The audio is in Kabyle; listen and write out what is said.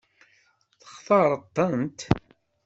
Textaṛeḍ-tent?